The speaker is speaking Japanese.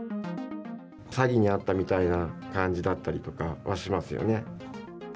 詐欺に遭ったみたいな感じだったりとかはしますよね。